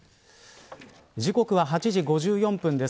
時刻は８時５４分です。